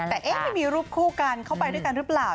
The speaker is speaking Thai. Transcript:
แต่ไม่มีรูปคู่กันเข้าไปด้วยกันหรือเปล่า